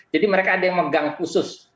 jadi mereka ada yang megang khusus